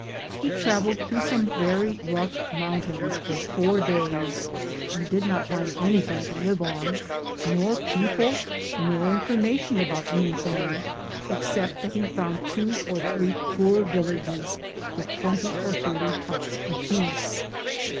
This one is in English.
He traveled through some very rough mountains for four days, and did not find anything to live on, nor people, nor in formation about anything, except that he found two or three poor villages, with twenty or thirty huts apiece.